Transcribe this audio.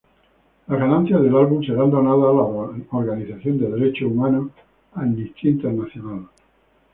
Las ganancias del álbum serán donadas a la organización de derechos humanos Amnistía Internacional.